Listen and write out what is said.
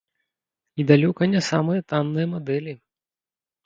І далёка не самыя танныя мадэлі.